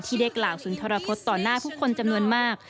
ได้กล่าวสุนทรพฤษต่อหน้าผู้คนจำนวนมาก